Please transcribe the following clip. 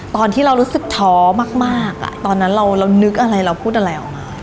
ตอนที่เรารู้สึกท้อมากตอนนั้นเรานึกอะไรเราพูดอะไรออกมา